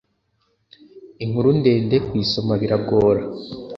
inkuru ndendekuyisoma biragora.